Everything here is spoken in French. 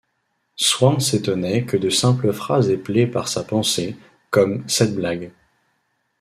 Swann s’étonnait que de simples phrases épelées par sa pensée, comme « Cette blague!